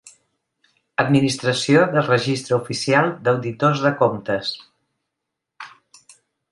Administració del Registre Oficial d'Auditors de Comptes.